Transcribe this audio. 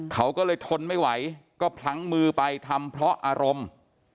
เขาก็เลยทนไม่ไหวก็พลั้งมือไปทำเพราะอารมณ์